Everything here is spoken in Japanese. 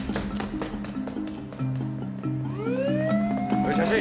おい写真！